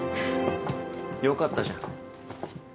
よかったじゃん。